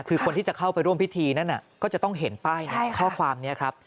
คือคนที่จะเข้าไปร่วมพิธีนั้นก็จะต้องเห็นป้ายข้อความนี้ครับ